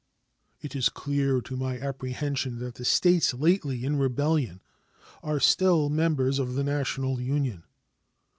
It is clear to my apprehension that the States lately in rebellion are still members of the National Union.